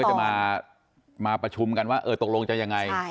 แต่กัญญาณยนต์ก็จะมาประชุมกันว่าเออตกลงจะยังไง